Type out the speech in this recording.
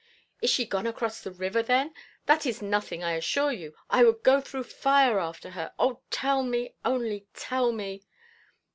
"Is she gone across the river, then? That is nothing, I assure you. I would go through fire after her. Oh, tell me, only tell me."